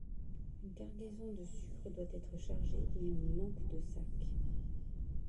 Une cargaison de sucre doit être chargée, mais on manque de sacs...